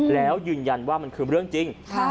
แล้วยืนยันว่ามันคือเรื่องจริง